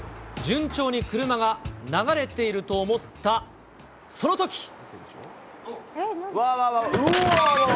順調に車が流れていると思ったそのとき。